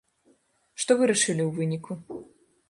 Што вырашылі ў выніку?